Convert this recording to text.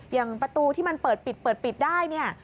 อย่างประตูที่มันเปิดปิดได้